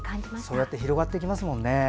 そうやって広がっていきますもんね。